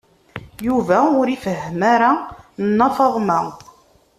Yuba ur ifehhem ara Nna Faḍma.